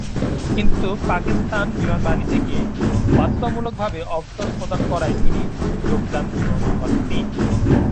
কিন্তু, পাকিস্তান বিমানবাহিনী থেকে বাধ্যতামূলকভাবে অবসর প্রদান করায় তিনি যোগদান গ্রহণ করেননি।